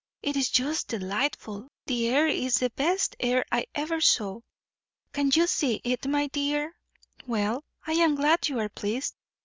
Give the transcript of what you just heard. It is just delightful. The air is the best air I ever saw." "Can you see it, my dear? Well, I am glad you are pleased.